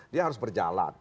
dia harus berjalan